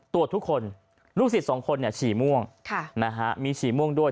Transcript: ทุกคนลูกศิษย์สองคนฉี่ม่วงมีฉี่ม่วงด้วย